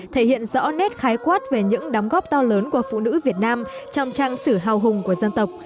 thể hiện rõ nét khái quát về những đóng góp to lớn của phụ nữ việt nam trong trang sử hào hùng của dân tộc